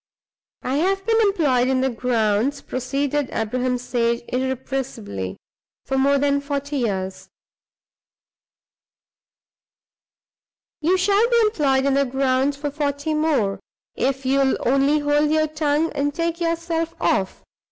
"I have been employed in the grounds," proceeded Abraham Sage, irrepressibly, "for more than forty years " "You shall be employed in the grounds for forty more, if you'll only hold your tongue and take yourself off!"